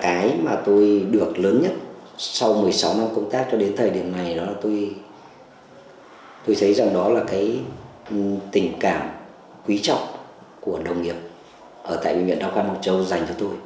cái mà tôi được lớn nhất sau một mươi sáu năm công tác cho đến thời điểm này đó là tôi thấy rằng đó là cái tình cảm quý trọng của đồng nghiệp ở tại bệnh viện đa khoa mộc châu dành cho tôi